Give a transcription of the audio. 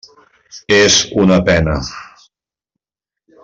És una pena.